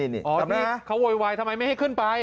แต่นี่เขาโวยวายทำไมไม่ให้ขึ้นไป